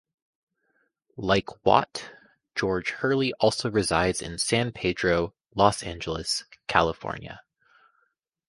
Like Watt, George Hurley also resides in San Pedro, Los Angeles, California.